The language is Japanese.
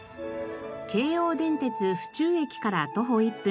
京王電鉄府中駅から徒歩１分。